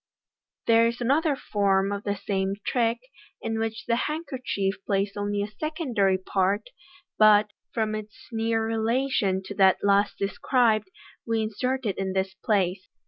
There is another form of the same trick, in which the handkerchief plays only a secondary part, but, from its near rela tion to that last described, we insert it in this place.